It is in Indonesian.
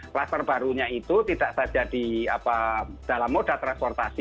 kluster barunya itu tidak saja di dalam moda transportasi